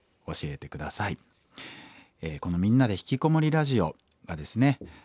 この「みんなでひきこもりラジオ」がですね